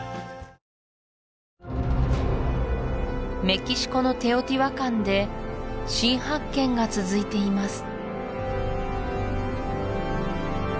メキシコのテオティワカンで新発見が続いています